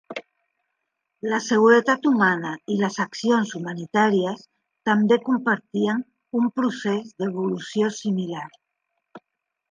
La seguretat humana i les accions humanitàries també compartien un procés d'evolució similar.